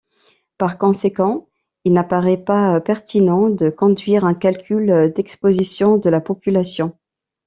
Par conséquent, il n’apparaît pas pertinent de conduire un calcul d’exposition de la population.